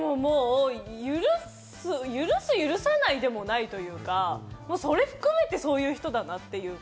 許す許さないでもないというか、それ含めて、そういう人だなというか。